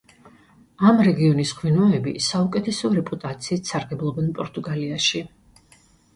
ამ რეგიონის ღვინოები საუკეთესო რეპუტაციით სარგებლობენ პორტუგალიაში.